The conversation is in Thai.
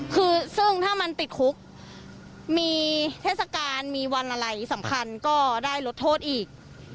คือซึ่งถ้ามันติดคุกมีเทศกาลมีวันอะไรสำคัญก็ได้ลดโทษอีก